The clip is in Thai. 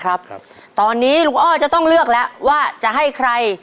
ครับครับตอนนี้ลุงอ้อจะต้องเลือกแล้วว่าจะให้ใคร